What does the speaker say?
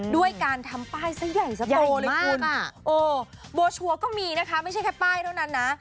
ด้วยการทำป้ายซะใหญ่สโตเลยคุณโอ้โบชัวร์ก็มีนะคะไม่ใช่แค่ป้ายเท่านั้นนะ